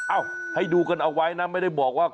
ให้ดูกันเอาไว้นะไม่ได้บอกว่า